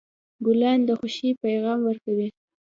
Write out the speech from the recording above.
ګلان د خوښۍ پیغام ورکوي.